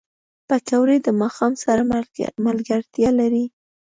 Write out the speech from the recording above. پکورې د ماښام سره ملګرتیا لري